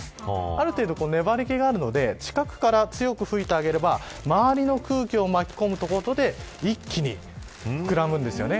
ある程度、粘り気があるので近くから強く吹いてあげれば周りの空気を巻き込むことで一気に膨らむんですよね。